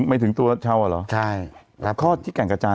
อ้าวก็อยากให้